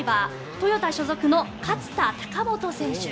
トヨタ所属の勝田貴元選手。